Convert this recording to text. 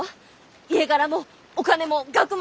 家柄もお金も学もある！